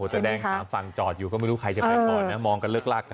แสดงหาฝั่งจอดอยู่ก็ไม่รู้ใครจะไปก่อนนะมองกันเลิกลากกัน